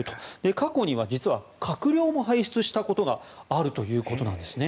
過去には実は閣僚も輩出したことがあるということです。